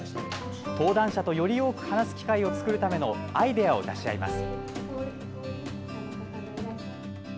登壇者とより多く話す機会を作るためのアイデアを出し合います。